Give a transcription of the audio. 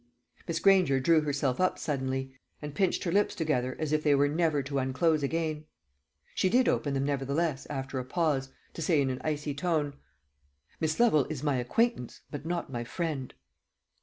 Miss Granger drew herself up suddenly, and pinched her lips together as if they were never to unclose again. She did open them nevertheless, after a pause, to say in an icy tone, "Miss Lovel is my acquaintance, but not my friend."